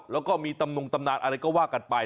แล้วก็มีตำนงตำนานอะไรก็ว่ากันไป